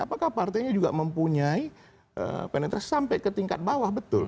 apakah partainya juga mempunyai penetrasi sampai ke tingkat bawah betul